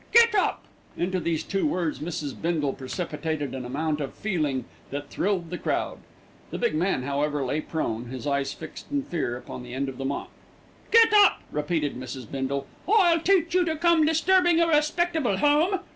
"Get up!" Into these two words Mrs. Bindle precipitated an amount of feeling that thrilled the crowd. The big man, however, lay prone, his eyes fixed in fear upon the end of the mop. "Get up!" repeated Mrs. Bindle. "I'll teach you to come disturbing a respectable home.